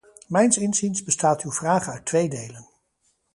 Mijns inziens bestaat uw vraag uit twee delen.